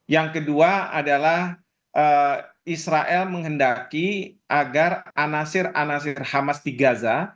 yang kedua adalah israel menghendaki agar anasir anasir hamas di gaza